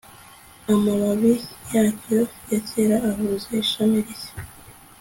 amababi yacyo ya kera ahuza ishami rishya